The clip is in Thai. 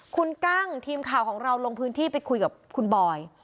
คุณกั้งทีมข่าวของเราลงพื้นที่ไปคุยกับคุณบอย